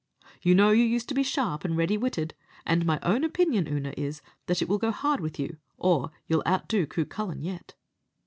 You know you used to be sharp and ready witted; and my own opinion, Oonagh, is, that it will go hard with you, or you'll outdo Cucullin yet."